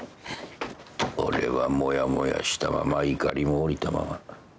俺はモヤモヤしたままいかりも下りたまま。